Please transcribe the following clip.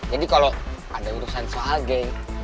jadi kalo ada urusan soal geng